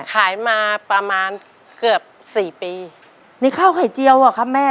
ขายมาประมาณเกือบสี่ปีนี่ข้าวไข่เจียวอ่ะครับแม่